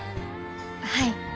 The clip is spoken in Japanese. はい。